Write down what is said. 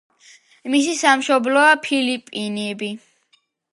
მისი სამშობლოა ფილიპინები.